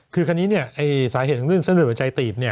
คือคราวนี้สาเหตุของเรื่องเส้นเหลือหัวใจตีบ